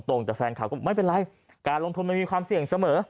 แต่แฟนคลับก็ไม่เป็นไรการลงทุนมันมีความเสี่ยงเสมอ